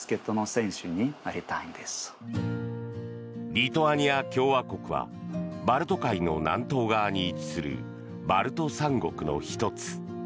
リトアニア共和国はバルト海の南東側に位置するバルト三国の１つ。